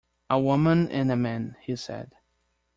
"A woman and a man," he said.